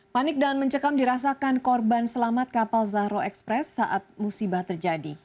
panik dan mencekam dirasakan korban selamat kapal zahro express saat musibah terjadi